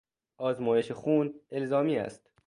آزمایش خون الزامی است.